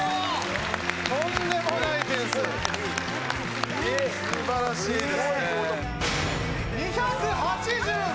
とんでもない点数素晴らしいですね。